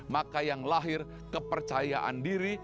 maka yang lahir kepercayaan diri